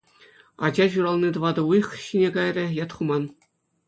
Ача ҫурални тӑватӑ уйӑх ҫине кайрӗ, ят хуман.